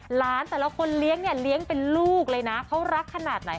แต่ละคนเลี้ยงเนี่ยเลี้ยงเป็นลูกเลยนะเขารักขนาดไหน